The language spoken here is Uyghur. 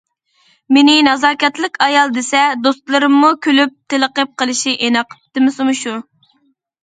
مېنى نازاكەتلىك ئايال دېسە دوستلىرىممۇ كۈلۈپ تېلىقىپ قېلىشى ئېنىق، دېمىسىمۇ شۇ.